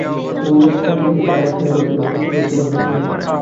ওর একটা ভিতরকার চেহারা দেখতে পাই কুৎসিত অক্টোপস জন্তুর মতো।